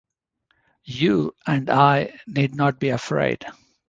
You and I need not be afraid.